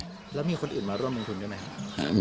แล้วมีคนอื่นมาร่วมลงทุนกันไหม